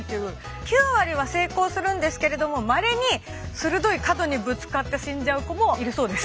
９割は成功するんですけれどもまれに鋭い角にぶつかって死んじゃう子もいるそうです。